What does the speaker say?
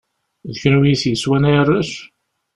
D kunwi i t-yeswan ay arrac?